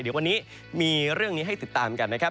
เดี๋ยววันนี้มีเรื่องนี้ให้ติดตามกันนะครับ